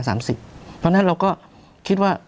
เพราะฉะนั้นเราก็คิดว่า